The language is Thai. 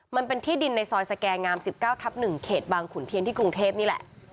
มันเป็นที่ดินในซอยสแก่งาม๑๙ทับ๑เขตบางขุนเทียนที่กรุงเทพนี่แหละ